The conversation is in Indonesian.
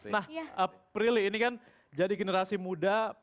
nah prilly ini kan jadi generasi muda